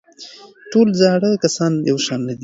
ټول زاړه کسان یو شان نه دي.